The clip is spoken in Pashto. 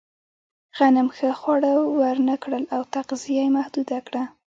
غنم ښه خواړه ورنهکړل او تغذیه یې محدوده کړه.